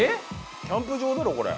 キャンプ場だろこれ。